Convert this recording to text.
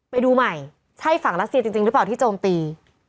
ไปดูใหม่ใช่ฝั่งรัสเซียจริงหรือเปล่าที่โจมตี